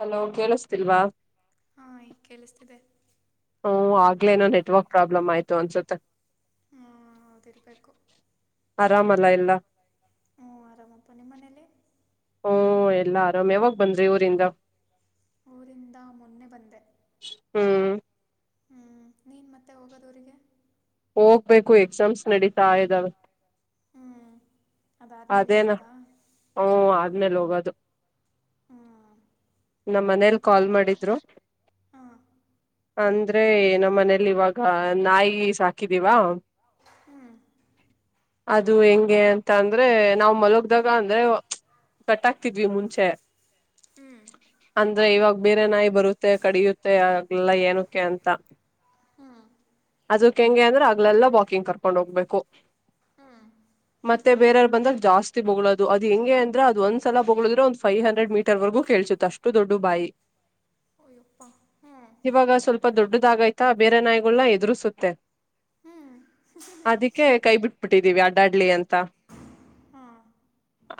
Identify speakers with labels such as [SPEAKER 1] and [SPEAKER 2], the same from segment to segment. [SPEAKER 1] hello ಕೇಳಿಸತಿಲ್ವಾ
[SPEAKER 2] ಹಾ ಈ ಕೇಳಿಸ್ತಿದೆ
[SPEAKER 1] ಹ ಆಗ್ಲೇನೋ ನೆಟ್ವರ್ಕ್ ಪ್ರಾಬ್ಲಮ್ ಆಯ್ತು ಅನ್ಸುತ್ತೆ
[SPEAKER 2] ಹ್ಮ ತಿರಿಬೇಕಕ್ಕು
[SPEAKER 1] ಅ ಇಲ್ಲ
[SPEAKER 2] ಹ್ಮ ಆರಾಮಪ್ಪ ನಿಮ್ಮ್ ಮನೇಲಿ
[SPEAKER 1] ಹ್ಮ ಎಲ್ಲಾ ಆರಾಮ್ ಯಾವಾಗ ಬಂದ್ರಿ ಊರಿಂದ
[SPEAKER 2] ಊರಿಂದ ಮೊನ್ನೆ ಬಂದೆ ಹ್ಮ್ ನೀನ್ ಮತ್ತೆ ಹೋಗೋದವ್ರರಿಗೆ
[SPEAKER 1] ಹೋಗ್ಬೇಕು ಎಕ್ಸಾಮ್ಸ್ ನಡೀತ ತಾಯದಾವ ಅದೇನು ಹಓ ಅ ಆದ್ಮೇಲೆ ಹೋಗೋದು ನಮ್ಮ ಮನೇಲಿ ಕಾಲ್ ಮಾಡಿದ್ರು ಅಂದ್ರೆ ನಮ್ಮ್ ಮನೇಲಿ ಇವಾಗ ನಾಯಿ ಸಾಕಿದೀವಾ ಅದು ಹೆಂಗೆ ಅಂತ ಅ್ರೆ ನಾವ್ ಮಲಗ್ದಾಗ ಅಂದ್ರೆ ಕಟ್ ಆಕ್ತಿದ್ವಿ ಮುಂಚೆ
[SPEAKER 2] ಹ್ಮ್
[SPEAKER 1] ಇವಾಗ ಬೇರೆ ನಾಯ ಬರುತ್ತೆ ಕಡಿಯುತ್ತೆ ಆಗ್ಲ್ಲ ಏನಕ್ಕೆ ಅಂತ ಅದಕ್ ಹೆಂಗೆ ಅಂದ್ರೆ ಆಗ್ಲೆಲ್ಲಾ ವಾಕಿಂಗ್ ಕರ್ಕೊಂಡ್ ಹೋಗ್ಬೇಕು ಮತ್ತೆ ಬೇರೆವ ಜಾಸ್ತಿಗಳಳೋದು ಅದು ಹೆಂಗೆ ಅಂದ್ರೆ ಅದ ಒಂದ್ಲ ಬೋಗಳದ್ರೆ ಒಂದ ಫೈವ್ ಹಂಡ್ರೆಡ್ ಮೀಟರ್ ವರೆಗೂ ಕೇಳಳ್ಸುತ್ತ ಅಷ್ಟು ದೊಡ್ಡ ಬಾಯಿ ಇವಾಗ ಸ್ವಲ್ಪ ದೊಡ್ಡ ಆಾಯ್ತಾ ಬೇರೆ ನಾಯಗಳಲ್ಲ ಎದುರುಸುತ್ತೆ ಅದಕ್ಕೆ ಕೈ ಬಿಟ್ಟ ಬಿಿಟ್ಟಿದ್ದೀವಿ ಅಡ್ಡಾಡ್ಲಿ ಅಂತ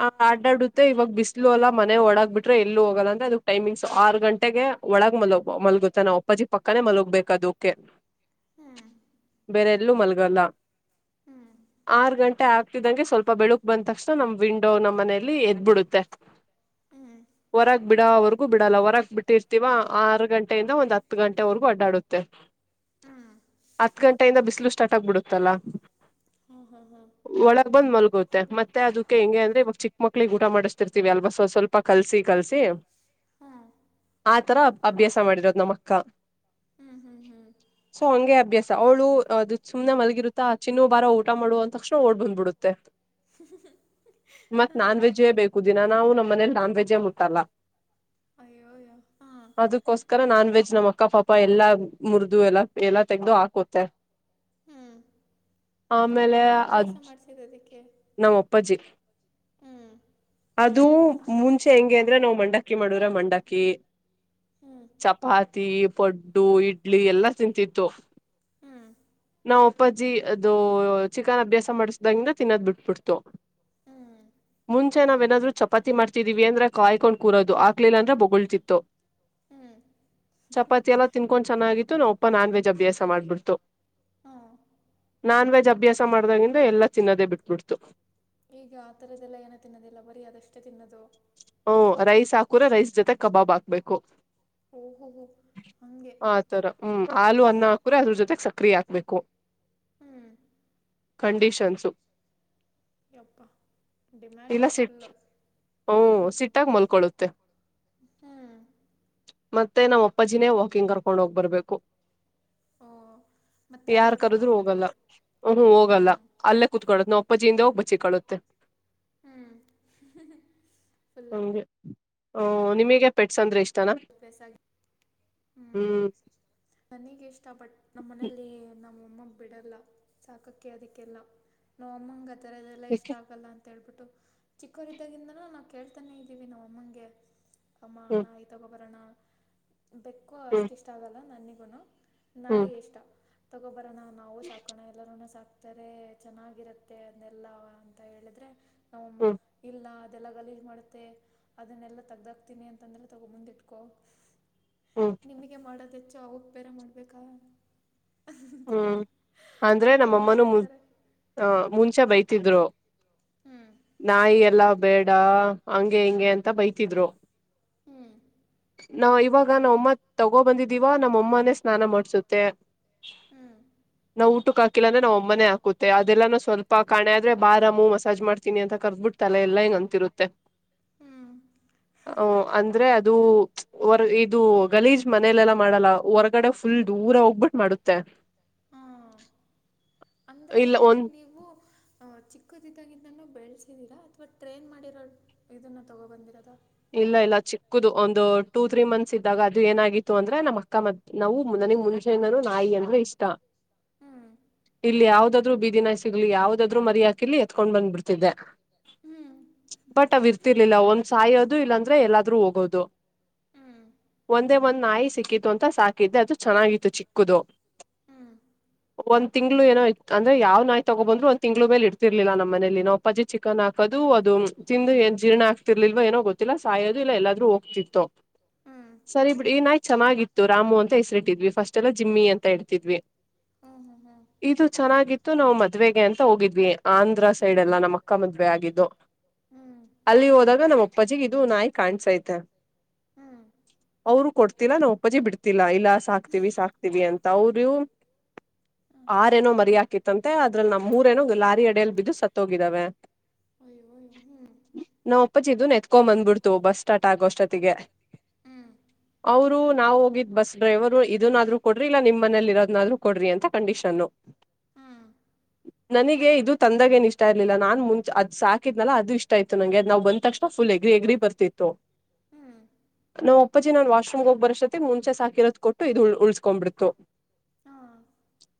[SPEAKER 1] ಆ ಆಡ್ಡಾಡುತ್ತೆ ಇವಾಗ ಬಿಸ್ಲು ಅಲ್ಲ ಮನೆ ಒಳಗ ಬಿಟ್ರೆ ಎಲ್ಲೂ ಹೋಗಲ್ಲ ಅಂದ್ರೆ ಅದಕ್ ಟೈಮಿಂಗ್ಸ್ ಆರು ಗಂಟೆಗೆ ಒಳಗ ಮಲ ಮಲಗುತ್ತೆ ನಾವು ಅಪ್ಪಾಜಿ ಪಕ್ಕನೇ ಮಲಗೋಗ್ಬೇಕ ಅದು ಓಕೆ
[SPEAKER 2] ಹ್ಮ್
[SPEAKER 1] ಬೇರೆ ಎಲ್ಲೂ ಮಲ್ಗಲ್ಲ ಆರು ಗಂಟೆ ಆಗ್ ಇದಗೆ ಸ್ವಲ್ಪ ಬೆಳಕ್ ಬಂದ ತಕ್ಷಣ ನಮ್ ವಿಂಡೋ ನಮ್ಮ್ ಮನಲಿ ಎದ್ಬಿಡುತ್ತೆ ಹೊರ ಬಿಡೋವರೆಗೂ ಬಿಡಲ್ಲ ಹೊರಕ್ ಬಿಟ್ಟಿರ್ತಿೀವ ಆರು ಗಂಟೆಯಿಂದ ಒಂದ್ ಹತ್ತು ಗಂಟೆವರೆಗೂ ಅಡ್ಡಾಡುತ್ತೆ ಹತ್ ಗಂಟೆಯಿಂದ ಬಿಸಿಲು ಸ್ಟಾರ್ಟ್ ಆಗ್ಬಿಡುತ್ತಲ್ಲಾ
[SPEAKER 2] ಹ್ಮ ಹಾ ಹಾ ಹಾ
[SPEAKER 1] ಗತ್ತೆ ಮತ್ತೆ ಅದಕ್ಕೆ ಹೆಂಗೆ ಅಂದ್ರೆ ಇವಾಗ ಚಿ ಮಕ್ಳಿಗೆ ಊಟ ಮಾಡಿಸ್ತಿರ್ತೀವಿ ಅಲ್ವಾ ಸ್ವ ಸ್ವಲ್ಪ ಕಲ್ಸಿ ಕಲ್ಸಿ
[SPEAKER 2] ಹ್ಮ
[SPEAKER 1] ಆತರ ಅಭ್ಯಾಸ ಮಾಡಿರೋದು್ ನಮ್ಮ ಅಕ್ಕ ಸೊ ಹಗೆ ಅಭ್ಯಾಸ ಅವಳು ಅದು ಸುಮನೆ ಮಲಗಿರುತ್ತಾ ಚಿನ್ನ ಬಾರ ಊಟ ಮಾಡುವ ಅಂದ ತಕ್ಷಣ ಓಳ್ ಬಂದ್ಬಿಡುತ್ತೆ
[SPEAKER 2] ಹಾ
[SPEAKER 1] ದಿನ ನಾವು ನಮ್ಮ ಮನೇಲಿ ನಾನ್ ವೆಜ್ಜೇ ಮುಟ್ಟಲ್ಲ ಅದಕ್ಕೋಸ್ಕರ ನಾನ್ ವೆಜ್ ನಮ್ಮ್ ಅಕ್ಕ ಪಾಪ ಎಲ್ಲಾ ಮುರಿದು ಎಲ್ಲಾ ಎಲ್ಲಾ ತೆಗ್ದ ಹಾಕುತ್ತೆ
[SPEAKER 2] ಹ್ಮ್ ಯಾರ್ ಅಭ್ಯಾಸ ಮಾಡ್ಸಿದ ಅದಕ್ಕೆ
[SPEAKER 1] ನಮ್ಮ ಅಪ್ಪಾಜಿ ಅದು ಮುಂಚೆ ಹೆಂಗೆ ಅಂದ್ರೆ ನಾವು ಮಂಡಾಕ್ಕಿ ಮಾಡುವರ ಮಂಡಕ್ಕಿ ಚಪಾತಿ ಪಡ್ಡು ಇಡ್ಲಿ ಎಲ್ಲಾ ತಿಂತಿತ್ತು ನಾವ್ ಒಪ್ಪಾಜಿ ಅದು ಚಿಕನ್ ಅಭ್ಯಾಸ ಮಾಡ್ಸದಾಗಿಂದ ತಿನ್ನೋದ್ ಬಿಟ್ಟು ಪುಡ್ತು ಮುಂಚೆ ನಾವ ಏನಾದ್ರು ಚಪಾತಿ ಮಾಡ್ತಿದೀವಿ ಅಂದ್ರೆ ಕಾಯ್ಕೊಂಡು ಕೂರೋದು ಹಾಕ್ಲಿಲ್ಲ ಅಂದ್ರೆ ಬೊಗುಳ್ತಿತ್ತು ಚಪಾತಿ ಎಲ್ಲ ತಿನ್ಕೊಂಡ್ ಚೆನ್ನಾಗಿತ್ತು ನಾವು ಒಪ್ಪ ನಾನ್ ವೆಜ್ ಅಭ್ಯಾಸ ಮಾಡ್ಬಿಡ್ತು ನಾನ್ ವೆಜ್ ಅಭ್ಯಾಸ ಮಾಡ್ದಾಗಿಂದ ಎಲ್ಲಾ ತಿನ್ನೋದೇ ಬಿಟ್ಬಿಡ್ತು
[SPEAKER 2] ಈಗ ಆ ತರದದೆಲ್ಲ ಏನೋ ತಿನ್ನದಿಲ್ಲ ಬರಿೀ ಅದಷ್ಟೇ ತಿನ್ನೋದು
[SPEAKER 1] ಹಓ ರೈಸ್ ಹಾಕು್ರೆ ರೈಸ್ ಜೊತೆ ಕಬಾಬ್ ಹಾಕ್ಬೇಕು ಆತರ ಹ್ಮ್ ಹಲು ಅನ್ನ ಹಾಕ್ರೆ ಅದ್ರ ಜೊತೆಗೆ ಸಕ್ರಿಯ ಆಗ್ತ ಬೆಕ್ಕು ಕಂಡೀಷನ್ಸು
[SPEAKER 2] ಯಪ್ಪ ಡಿಮ್ಯಾಂಡ ಫುಲ್ಲು
[SPEAKER 1] ಹ್ಮ ಸಿಟ್ಟಾಗ ಮಲ್ಕೊಳ್ಳುತ್ತೆ ಮತ್ತೆ ನಮ್ಮ್ ಒಪ್ಪಜಿನೇ ವಾಕಿಂಗ್ ಕರ್ಕೊಂಡ್ ಹೋಗ್ ಬರ್ಬೇಕು ಯಾರ್ ಕರದ್ರು ಹೋಗಲ್ಲ ಹ ಹೋಗಲ್ಲ ಅಲ್ಲೇ ಕುೂತ್ಕಡದ್ ನಾ ಪ್ಪಜಿಂದ ಬಚ್ಚಿಿಕೊಳ್ಳುತ್ತೆ
[SPEAKER 2] ಹ್ಮ್
[SPEAKER 1] ಹಗೆ ಓ ನಿಮಗೆ ಪೆಟ್ಸ್ ಅಂದ್ರೆ ಇಷ್ಟ
[SPEAKER 2] ಸ್ವಲ್ಪ್ಯಸ ಹ್ಮ್ ನನಗ್ ಇಷ್ಟಪಟ್ಟ ನಮ್ಮ್ ಮನೆಯಲ್ಲಿ ನಮ್ಮ ಅಮ್ಮ ಬಿಡಲ್ಲ ಸಾಕಕ್ಕೆ ಅದಕ್ಕೆಲ್ಲ ನಮ್ಮ ಅಮ್ಮಂಗ ಅದೆಲ್ಲ ಇಷ್ಟ ಆಗಲ್ಲ ಅಂತ ಅಂತೇಳ್ಬಿಟ್ಟು ಚಿಕ್ಕೋರಿದ್ದಾಗಿಂದನ ನಾವು ಕೇಳ್ತಾನೆ ಇದ್ದೀವಿ ನಾವ್ ಅಮ್ಮನಗೆ ಅ ಬರಣ ಬೆಕ್ಕು ಅಷ್ಟ ಇಷ್ಟ ಆಗಲ್ಲ ನನಗೆ ಬನ ನಾ ಇಷ್ಟ ತಗೊಬರ ನಾ ನಾವು ಸಾಕಣ ಎಲ್ಲಾರ ಸಾಕ ಆತಾರೆ ಚೆನ್ನಾಗಿರತ್ತೆ ಅಂದೆಲ್ಲ ಅಂತ ಹೇಳಿದ್ರೆ ಹಮ್ಮ ಇಲ್ಲ ಅದೆಲ್ಲ ಗಲಗ್ ಮಾಡುತ್ತೆ ಅದನ್ನೆಲ್ಲಾ ತಗ್ದಾಕ್ತೀನಿ ಅಂತಂದ್ರೆ ತಗ ಮುಂದಿಟ್ಕೋ ನಿಮಗೆ ಮಾಡೋದತ್ತು ಚ ಉಬೇರ ಮಾಡ್ಬೇಕಾ
[SPEAKER 1] ಹ್ಮ್ ಅಂದ್ರೆ ನಮ್ಮಅಮ್ಮನು ಮುಂಚೆ ಬೈಕ್ ತೀದ್ರು ನಾಯಿ ಎಲ್ಲ ಬೇಡ ಹಂಗೆ ಹಿಂಗೆ ಅಂತ ಬೈತಿದ್ರು
[SPEAKER 2] ಹ್ಮ್
[SPEAKER 1] ನಾ ಇವಾಗ ನಾವಮ್ಮ ತಗೋ ಬಂದಿದ್ದೀಿವ ನಮ್ಮ ಅಮ್ಮಾನೇ ಸ್ನಾನ ಮಾಡ್ಸುತ್ತೆ ನವು ಊಟ್ಟಕ್ ಹಾಕಿಲ್ಲ ಅ್ರೆಾ್ ಒಮ್ಮನ ಹಕುತ್ತೆ ಅದೆಲ್ಲ ನಾವು ಸ್ವಲ್ಪ ಕಾಣೆ ಆದ್ರೆ ಬಾರ ಮೂ ಮಸಾಜ್ ಮಾಡ್ತೀಿ ಅಂತ ಕರ್್ಬಿಟ್ಟತಲ್ಲ ಎಲ್ಲ ಹೆಿಂಗ ಅಂತಿರುತ್ತೆ ಹ ಅಂದ್ರೆ ಅದು ಹೊರ್ ಇದು ಗಲೀಜ್ ಮನಲೆೆಲ್ಲಾ ಮಾಡಲ್ಲ ಹೊರಗಡೆ ಫುಲ್ ದೂರ ಹೋಗ್ಬಿಟ್ಟು ಮಾಡುತ್ತೆ ತ್ತ
[SPEAKER 2] ಹಾ ಅಂದ್ರೆ ಏನು ನೀವು ಅ ಚಿಕ್ಕದಿದಾಗಿಂದಾನೂ ಬೆಳೆಸಿದೀರ ಅಥವಾ ಟ್ರೈನ್ ಮಾಡಿರೋ ಇದನ್ನ ತೊಗೋ ಬಂದಿರದ
[SPEAKER 1] ಇಲ್ಲ ಇಲ್ಲ ಚಿಕ್ಕದು ಒಂದು ಟೂ ತ್ರೀ ಮಂತ್ಸ್ ಇದ್ದಾಗ ಅದು ಏನಾಗಿತ್ತು ಅಂದ್ರೆ ನಮ್ಮ್ ಅಕ್ಕ ಮ ನಾವು ನನಗ್ ಮುಂಜಾನನುೂ ನಾಯಿ ಅಂದ್ರೆ ಇಷ್ಟ ಇಲ್ಲಿ ಯಾವ್ದಾದ್ರು ಬೀದಿಿನಾಯ ಸಿಗ್ಲಿ ಯಾವ್ದಾದ್ರು ಮರಿ ಹಾಕಿಲಿ ಎತ್ಕೊಂಡ್ ಬಂದ್ಬಿಡ್ತಿದ್ದೆ ಬಟ್ ಅವ ಇರ್ತಿರ್ಲಿಲ್ಲ ಒಂದ್ ಸಾಯದ ಇಲ್ಲಾಂದ್ರೆ ಎಲ್ಲಾದ್ರೂ ಹೋಗೋದು ಒಂದು ದೇ ಒಂದ್ ನಾಯಿ ಸಿಕ್ಕಿತು ಅಂತ ಸಾಕಿದೆ ಅದು ಚೆನ್ನಾಗಿತ್ತು ಚಿಕ್ಕದು
[SPEAKER 2] ಹ್ಮ
[SPEAKER 1] ಒಂದ ತಿಂಗ್ಗಳು ಏನೋ ಅಂದ್ರ ಯಾವ ನಾಯ್ ತಗೋ ಬಂದ್ ಒಂದ ತಿಂಗಂಗಳು ಮೇಲೆ ಇರ್ತಿರ್ಲಿಲ್ಲ ನ ಮನೇಲಿ ನಾವು ಪಜಿ ಚಿಕನ್ ಹಾಕೋದು ಅದು ತಿಂದು ಏ ಜೀರ್ಣ ಹಾಕ್ತಿರ್ಲಿಲ್ ಏನೋ ಗೊ ಸಾಯೋದು ಇಲ್ಲ ಎಲ್ಲಾದ್ರೂ ಹೋಗ್ತಿತ್ತು ಸರಿ ಬಿಡ್ ಈ ನಾಯ್ಕ್ ಚೆನ್ನಾಗಿತ್ತು ರಾಮು ಅಂತ ಹೆಸರಿಟ್ಟಿದ್ವಿ ಫಸ್ಟ್ ಎಲ್ಲ ಜಿಮ್ಮಿ ಅಂತ ಇೇಡ್ತಿದ್ವಿ ಇದು ಚೆನ್ನಾಗಿತ್ತು ನೋ ಮತ್ತೆ ಮದ್ವೇಗೆ ಅಂತ ಹೋಗಿದ್ವಿ ಆಂಧ್ರ ಸೈಡ್ ಎಲ್ಲ ನಮ್ಮ ಅಕ್ಕ ಮದುವೆ ಆಗಿದ್ದು ಅಲ್ಲಿ ಹೋದಾಗ ನಮ್ಮ ಪಜೆಗ ಇದು ನಾಯಿ ಕಾಣ್ಸಯ್ತ
[SPEAKER 2] ಹ್ಮ್
[SPEAKER 1] ಅವ್ರು ಕೊಡ್ತಿಲ್ಲಾ ನಾವು ಉಪ್ಪಜಿ ಬಿಡ್ತಿಲ್ಲಾ ಇಲ್ಲ ಸಾಕ್ತಿೀವಿ ಸಾಕ್ತಿೀವಿ ಅಂತ ತೌರಿ ಆರೇಏನೋ ಮರ್ಯಕೆತ್ತು ಮತ್ತಂತೆ ಅದ್ರಲ್ ನಮ್ ಮೂರ ಏನ ಲಾರಿ ಅಡಲ್ ಬಿದ್ದು ಸತ್ತೋಗಿದಾವೆ ನ ಪದು ಹಕೊ್ ಬಂದ್ಬಿಡ್ತು ಬಸ್ ಸ್ಟಾರ್ಟ್ ಆಗೋ ಅಷ್ಟೊತ್ತಿಗೆ ಅವ್ರು ನಾವು ಹೋಗಿದ್ ಬಸ್ ಡ್ರೈವರು ಇದನಾದ್ರು ಕೊಡ್ರಿ ಇಲ್ಲ ನಿಮ್ಮ್ ಮನೇಲಿ ಇರೋದನಾದ್ರು ಕೊಡ್ರಿ ಅಂತ ಕಂಡೀಷನ್ನು ನನಗೆ ಇದು ತಂದಾಗೇನ್ ಇಷ್ಟ ಇರ್ಲಿಲ್ಲ ನಾನ್ ಮುಂಚ ಅದ್ ಸಾಕಿದ್ನಲ್ಲ ಅದು ಇಷ್ಟ ಆಯತು ನಂಗೆ ಅದ್ ನಾವ್ ಬಂದ ತಕ್ಷಣ ಫುಲ್ ಎಗ್ರಿ ಎಗ್ರಿ ಬರ್ತಿತ್ತು
[SPEAKER 2] ಹ್ಮ್
[SPEAKER 1] ನಾವ್ ಅಪ್ಪಾಜಿನ ನನ್ ವಾಶ್ರೂಮ್ ಹೋಗ್ಬರತಿ ಮುಂಚೆ ಸಾಕಿರೋದ್ ಕೊಟ್ಟು ಇದು ಉಳ್ಸ್ಕೊಂಡ್ ಬಿಿಡ್ತ್ತುು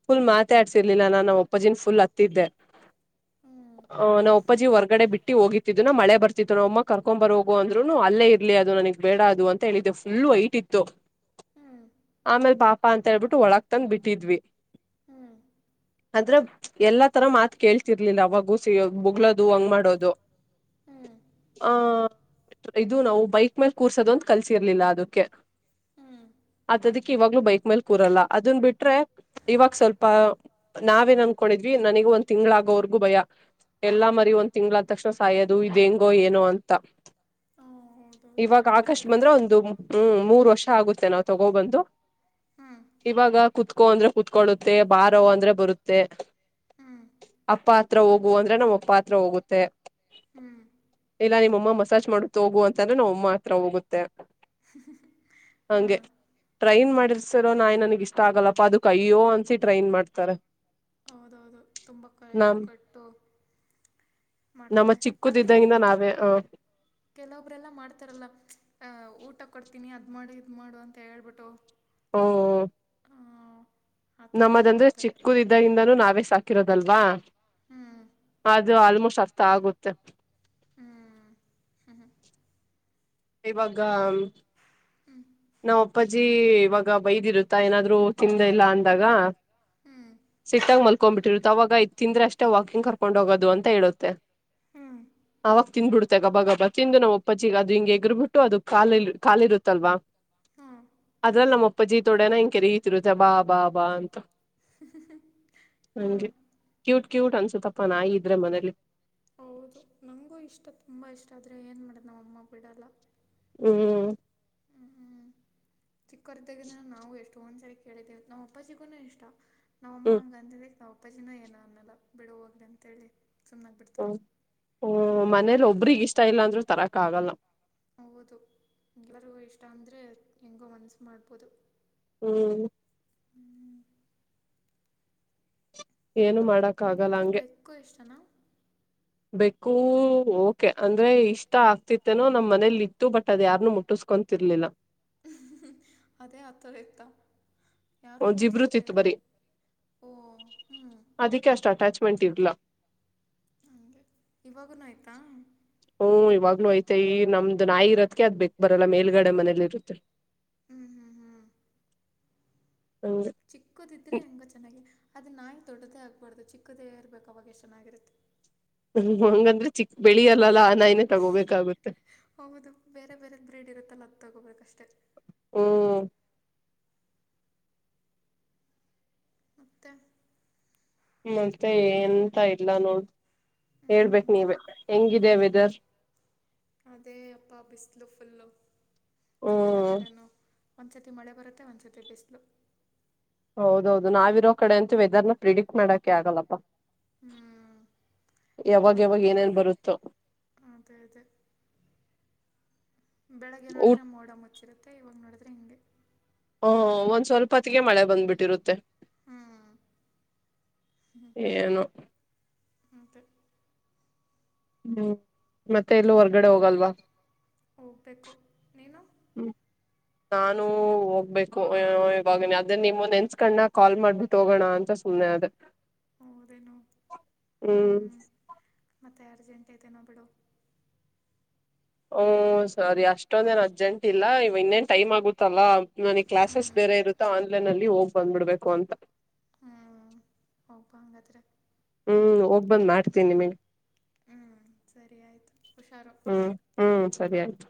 [SPEAKER 1] ಫುಲ್ ಮಾತಾ ಆಡ್ಸಿರ್ಲಿಲ್ಲ ನಾನು ನ್ ಅಪ್ಪಾಜಿನ ಫುಲ್ ಅತ್ತಿದ್ದೆ ಹ ನಾ್ ಅಪ್ಪಾಜಿ ಹೊರ್ಗಡೆ ಬಿಟ್ಟ ಹೋಗಿಿದ್ ನ ಮಳೆ ಬರ್ತಿದ್ ನ ಅಮ್ಮ ಕರ್ಕೊಂಡ್ ಬರ್ೋಗು ಅಂದ್ರುನು ಅಲ್ಲೇ ಇರ್ಲಿ ಅದು ನನಗ್ ಬೇಡ ಅದು ಅಂತ ಹೇಳಿದ್ದೆ ಫುಲ್ಲು ಐಟ್ ಇತ್ತು ಆಮೇಲ್ ಪಾಪ ಅಂತ ಹೇಳ್ಬಿಟ್ಟು ಒಳಗ್ ತಂದ್ ಬಿಟ್ಟಿದ್ವಿ
[SPEAKER 2] ಹ್ಮ್
[SPEAKER 1] ಅಂದ್ರೆ ಎಲ್ಲಾ ತರ ಮಾತ್ ಕೇಳ್ತಿರ್ಲಿಲ್ಲ ಅವಾಗೂ ಸಿ ಬುಗ್ಲೋದು ಹಂಗ್ ಮಾಡೋದು ಆಹ ಇದು ನಾವು ಬೈಕ್ ಮೇಲ್ ಕೂರ್ಸೋದು ಅಂತ ಕಲ್ಸಿರ್ಲಿಲ್ಲ ಅದಕ್ಕೆ ಅದದಕ್ಕೆ ಇವಾಗ್ಲುೂ ಬೈಕ್ ಮೇಲ್ ಕೂರಲ್ಲ ಅದನ್ ಬಿಟ್ರೆ ಇವಾಗ ಸ್ವಲ್ಪ ನಾವೇನ್ ಅನ್ಕೊಂಡಿದ್ವಿ ನನಗ ಒಂದ್ ತಿಂಗಳಾಗೋವರ್ಗೂ ಭಯ ಎಲ್ಲಾ ಮರಿ ಒಂದ್ ತಿಂಗ್ಳ ಆದ ತಕ್ಷಣ ಸಾಯೋದು ಇದ ಹೆಂಗೋ ಏನು ಅಂತ ಇವಾಗ ಆಕಷ್ಟಟ್ ಬಂದ್ರೆ ಒಂದು ಹ್ಮ್ ಮೂರು ವರ್ಷ ಆಗುತ್ತೆ ನಾವು ತಗೋಬಂದು ಕ ಬಾಗ ಕುೂತ್ಕೋ ಅಂದ್ರೆ ಕುೂತ್ಕೊಳ್ಳುತ್ತೆ ಬಾರೋ ಅಂದ್ರೆ ಬರುತ್ತೆ ಅಪತ್ ಪತ್ರ ಹೋಗುವ ಅಂದ್ರೆ ನಮ್ಮಪ್ಪಾತ್ರ ಹೋಗುತ್ತೆ
[SPEAKER 2] ಹ್ಮ್
[SPEAKER 1] ಇಲ್ಲ ನಿಮ್ಮಮ್ಮ ಮಸಾಜ್ ಮಾಡುತ್ತ ಹೋಗುವ ಅಂತಂದ್ರೆ ನಾವ್ ಅಮ್ಮ ಹತ್ರ ಹೋಗುತ್ತೆ ಹಂಗೆ ಟ್ರೈನ್ ಮಾಡಿದ ರೋ ನಾಯಿ ನನಗ್ ಇಷ್ಟ ಆಗಲ್ಲಪ್ಪಾ ಅದು ಅಯ್ಯೋ ಅನ್ಸಿ ಟ್ರೈನ್ ಮಾಡ್ತಾರ
[SPEAKER 2] ಹೌದೌದು ತುಂಬಾ ಕ ಇದು ಕಟ್ಟು ಮಾಡ್ತಾರೆ ಅಂದ್ರೆ ಕೆಲವೊಬ್ರಲ್ಲ ಮಾಡ್ತಾರಲ್ಲ ಅ ಊಟ ಕೊಡ್ತೀನಿ ಅದ್ ಮಾಡು ಇದ್ ಮಾಡು ಅಂತ ಹೇಳ್ಬಿಟ್ಟು
[SPEAKER 1] ಹ್ಮ ನಮ್ಮದಂದ್ರೆ ಚಿಕ್ಕದ ಇದ್ದ ಾನ ನಾವೇ ಸಾಕಿರೋದಲ್ವಾ ಅದು ಆಲ್ಮೋಸ್ಟ್ ಸತ ಆಗುತ್ತೆ
[SPEAKER 2] ಹ್ಮ್ ಹ್ಮ ಹ್ಮ
[SPEAKER 1] ಇವಾಗ
[SPEAKER 2] ಹ್ಮ್
[SPEAKER 1] ನಾವ್ ಅಪ್ಪಾಜಿ ಇವಾಗ ಬೈದಿ ಇರುತ್ತಾ ಏನಾದ್ರರು ತಿಂದ ಇಲ್ಲ ಅಂದಾಗ ಸೀತಾಮಲ್ ಹಕೊ್ಬಿಟ್ಟಿರುತ್ತೆ ಅವಾಗ ಇ್ ತಿಂದ್ರೆ ಅಷ್ಟೇ ವಾಕಿಂಗ್ ಕರ್ಕೊಂಡ್ ಹೋಗೋದು ಅಂತ ಹೇಳುತ್ತೆ ಆಾಗ ತಿಿಂದ್ಬಿಡುತ್ತೆ ಗಬ್ಬ ಗಬಾ ತಿಂದು ನಾವು ಅಪ್ಪಜಿಗ ಅದು ಹಿಂಗೆ ಎಗರ್ಬಿಟ್ಟು ಅದು ಕಾಲಿ ಕಾಲಿರುತ್ತಲ್ವಾ ಅದ್ರಲ್ಲ ನಮ್ಮ ಅಪ್ಪ ಜಿ ತೋಡನ ಹೆಂಗಗೆ ಕರಿ ಇತಿರುತ್ತೆ ಬಾ ಬಾ ಬಾ ಅಂತ ಹ ಕ ಕ್ಯೂಟ್ ಅನ್ಸುತ್ತಪ್ಪಾ ನಾಿ ಇದ್ರೆ ಮನೇಲಿ
[SPEAKER 2] ಹೌದು ನಂಗೂ ಇಷ್ಟ ತುಂಬಾ ಇಷ್ಟ ಆದ್ರೆ ಏನ್ ಮಾಡುದು್ ನಮ್ಮ್ ಅಮ್ಮ ಬಿಡಲ್ಲ
[SPEAKER 1] ಹ್ಮ್
[SPEAKER 2] ಹ್ಮ್ ಹ್ಮ್ ಚಿಕ್ಕವರಿದ್ದಾಗ ನಾವು ಎಷ್ಟು ಒಂದ್ಸರಿ ಕೇಳಿದ್ದೇವೆ ನಾವ್ ಅಪ್ಪ ಸಿಿಗುನು ಇಷ್ಟ ನಾ್ ಅಮ್ಮ ಹಂಗ ಅಂದ್ರೆ ತಾವ ಅಪ್ಪಾಜನ ಏನ ಆಮಲ್ಲ ಬಿಡ ಹೋಗ್ರ ಅಂತ ಹೇಳಿ ಸುಮ್ಮನಾಗಿಬಿಡ್ತಾರೆ
[SPEAKER 1] ಮನೇಲಿ ಒಬ್ರಗ್ ಇಷ್ಟ ಇಲ್ಲ ಅಂದ್ರರು ತರಕ್ ಆಗಲ್ಲ
[SPEAKER 2] ಹೌದು ಎಲ್ಲರಿಗೂ ಇಷ್ಟ ಅಂದ್ರರೆ ಹೆಂಗೋ ಮನಸು ಮಾಡ್ಬೋದು
[SPEAKER 1] ಹ್ಮ್
[SPEAKER 2] ಹ್ಮ್
[SPEAKER 1] ಏನು ಮಾಡಕ್ಕ ಆಗಲ್ಲ ಹಂಗೆ ಬೇಕು ಓಕೆ ಅಂದ್ರೆ ಇಷ್ಟ ಆಗ್ತಿತ್ತೇನೋ ನಮ್ ಮನೇಲಿ ಇತ್ತು ಬಟ್ ಅದ್ಯಾರ್ನು ಮುಟ್ಟಸ್ಕೊತಿರ್ಲಿಲ್ಲ
[SPEAKER 2] ಅದೇ ಅಥರಿ್ಯಕ್ತ ಯಾರನ್ನೂ ಮುಟ್ಸ್ಕೊತ್ರ ಓ ಹ್ಮ್
[SPEAKER 1] ಮಟಿಲ
[SPEAKER 2] ಹೆ ಇವಾಗನು ಆಯ್ತಾ
[SPEAKER 1] ಹ್ಮ್ ಇವಾಗ್ಲುೂ ಐ್ತೆ ಈ ನಮ್ದ್ ನಾಯಿ ಇರೋದಕ ಅ್ ಬಕ್ ಬರಲ್ಲ ಮೇಲ್ಗಡೆ ಮನೇಲಿ ಇರುತ್ತೆ
[SPEAKER 2] ಹ್ಮ್ ಹ್ಮ್ ಹ್ಮ್ ಚಿಕ್ಕದಿದ್ರೆ ಹೆಂಗ ಚೆನ್ನಾಗೆ ಅದು ನಾಯ ದೊಡ್ಡದೇ ಆಗಬಾರ್ದು ಚಿಕ್ಕದೇ ಇರಬೇಕು ಅವಾಗಷ್ಟು ಚೆನ್ನಾಗಿರುತ್ತೆ
[SPEAKER 1] ಹ್ಮ ಹಂಗಂದ್ರೆ ಚಿಕ್ಕ ಬೆಳಿ ಅಲ್ಲಲ್ಲಾ
[SPEAKER 2] ಹೌದು ಬೇರೆ ಬೇರೆ ಬ್ರೀಡ್ ಇರುತ್ತಲ್ಲ ತಗೋಬೇಕಷ್ಟೆ
[SPEAKER 1] ಹ್ಮ
[SPEAKER 2] ಮತ್ತೆ
[SPEAKER 1] ಮತ್ತೆ ಎಂತ ಇಲ್ಲ ನೋಡ್ ಹೇಳ್ಬೇಕ ನೀವ ಹೆಂಗಿದೆ ವೆದರ್
[SPEAKER 2] ಅದೇ ಅಪ್ಪ ಬಿಸಲು ಫುಲ್ಲು ಎಲ್ಲಾ ಕಡೆನೂ ಒಂದ್ಸರ್ತಿ ಮಳೆ ಬರುತ್ತೆ ಒಂದ್ಸರ್ತಿ ಬೆಸ್ಲು
[SPEAKER 1] ಹೌದೌದು ನಾವಿರೋ ಕಡೆ ಅಂತೂ ವೆದರ್ನ ಪ್ರಿಡಿಕ್ಟ್ ಮಾಡಕೆ ಆಗಲ್ಲಪ್ಪ
[SPEAKER 2] ಹ್ಮ್ ಯಾವಾಗ ಅದೇ ಅದೇ ಬೆಳಿಗ್ಗೆ ನೋಡಿದ್ರೆ ಮೋಡ ಮುಚ್ಚಿ ಚತೆ ಇವ ನೋಡಿದ್ರ ಹೆಂಗಗೆ
[SPEAKER 1] ಹ ಒಂದ್ ಸ್ವಲ್ಪತ್ತಗೆ ಮಳೆ ಬಂದ್ಬಿಟ್ಟಿರುತ್ತೆ ಏಏನು
[SPEAKER 2] ಹತ್ತ
[SPEAKER 1] ಹ್ಮ್ ಮತ್ತೆ ಎಲ್ಲೂ ಹೊರ್ಗಡೆ ಹೋಗಲ್ವಾ ಹ್ಮ ನಾನು ಹೋಗ್ಬೇಕು ಇವವಾಗಿ ಅದೇ ನೀವು ನೆನ್ಸ್ ಕಣನ ಕಾಲ್ ಮಾಡ್ಬಿಟ್ಟು ಹೋಗೋಣ ಅಂತ ಸುಮ್ಮ್ನೆ ಅದ
[SPEAKER 2] ದನು ಮತ್ತೆ ಅರ್ಜೆಂಟ್ ಐತೆನೋ ಬಿಡುು
[SPEAKER 1] ಓ ಸರಿ ಅಷ್ಟೊಂದೇನ್ ಅರ್ಜೆಂಟ್ ಇಲ್ಲ ಇವ ಇನ್ನೇನ್ ಟೈಮ್ ಆಗುತ್ತಲ್ಲ ನನಗ್ ಕ್ಲಾಸಸ್ ಬೇರೆ ಇರುತ್ತ ಆನ್ಲೈನ್ಲ್ಲಿ ಹೋಗ್ ಬಂದ್ಬಿಡ್ಬೇಕು ಅಂತ
[SPEAKER 2] ಹ್ಮ್ ಹಬಾಂಗತ್ರ
[SPEAKER 1] ಹ್ಮ್ ಒೋಗಬಂದ್ ಮಾಡ್ತೀನಿ ನಿಮಗೆ
[SPEAKER 2] ಹ್ಮ್ ಸರಿ ಆಯ್ತು ಹುಷಾರು
[SPEAKER 1] ಸರಿ ಆಯ್ತು